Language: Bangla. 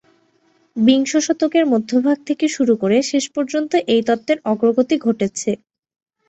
বিংশ শতকের মধ্যভাগ থেকে শুরু করে শেষ পর্যন্ত এই তত্ত্বের অগ্রগতি ঘটেছে।